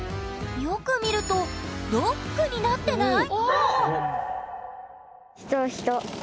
よく見るとＤＯＧになってない？